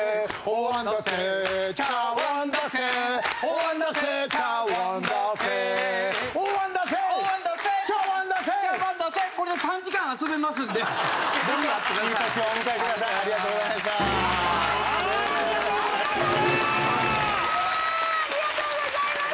ありがとうございます。